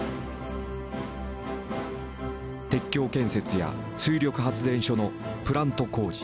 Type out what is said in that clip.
鉄橋建設や水力発電所のプラント工事。